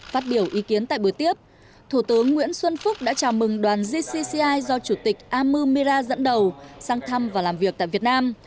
phát biểu ý kiến tại buổi tiếp thủ tướng nguyễn xuân phúc đã chào mừng đoàn gcci do chủ tịch amumira dẫn đầu sang thăm và làm việc tại việt nam